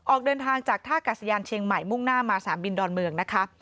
ออกเดินทางจากท่ากาศยานเชียงใหม่มุ่งหน้ามาสนามบินดอนเมืองนะคะ